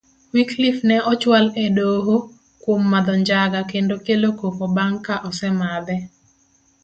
Wyclife ne ochual edoho kuom madho njaga kendo kelo koko bang kaosemadhe.